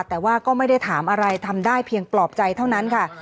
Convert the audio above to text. แต่ว่าก็ไม่ได้ถามอะไรทำได้เพียงปลอบใจเท่านั้นค่ะ